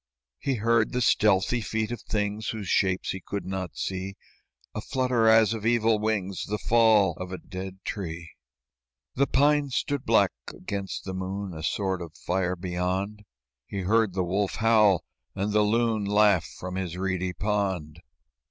He heard the stealthy feet of things Whose shapes he could not see, A flutter as of evil wings, The fall of a dead tree. The pines stood black against the moon, A sword of fire beyond; He heard the wolf howl, and the loon Laugh from his reedy pond.